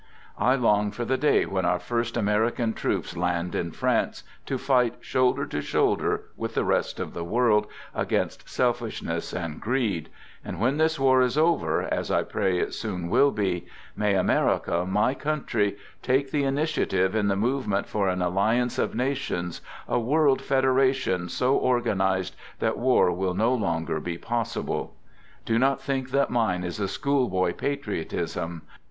I long for the day when our first American troops land in France to fight shoulder to shoulder with the rest of the world against selfishness and greed ; and when this war is over, as I pray it soon will be, may America, my country, take the initiative in the movement for an alliance of nations, a world federation so organized that war will no longer be possible. Do not think that mine is a schoolboy patriotism.